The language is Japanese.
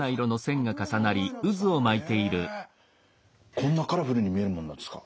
こんなカラフルに見えるものなんですか？